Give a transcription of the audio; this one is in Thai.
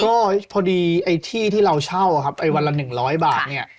ก็พอดีแล้วอันที่เราเช่าวันละ๑๐๐บาทเนี่ย